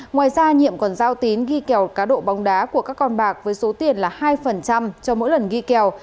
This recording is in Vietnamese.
ngoài ra nhiệm còn giao tín ghi kèo cá độ bóng đá của các con bạc với số tiền là hai cho mỗi lần ghi kèo